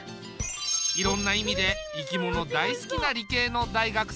いろんな意味で生き物大好きな理系の大学生。